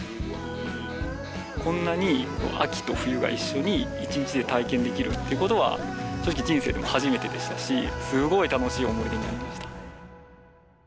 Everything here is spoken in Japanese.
こんなに秋と冬が一緒に１日で体験できるっていうことは、正直、人生でも初めてでしたし、すごい楽しい思い出になりました。